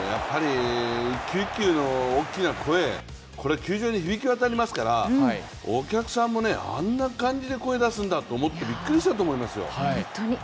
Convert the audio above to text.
一球一球の大きな声球場に響き渡りますからお客さんもあんな感じで声出すんだと思ってびっくりしたと思いますよ。